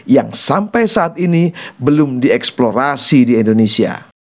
yang sampai saat ini belum dieksplorasi di indonesia